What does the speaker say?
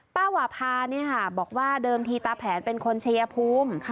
หวาพาบอกว่าเดิมทีตาแผนเป็นคนชัยภูมิ